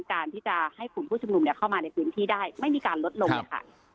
การที่จะให้กลุ่มผู้ชุมนุมเข้ามาในพื้นที่ได้ไม่มีการลดลงเลยค่ะ